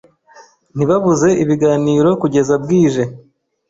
Ntibabuze ibiganiro kugeza bwije.